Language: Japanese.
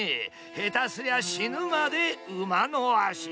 下手すりゃ死ぬまで馬の足。